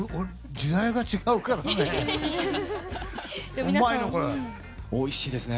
時代が違うからね。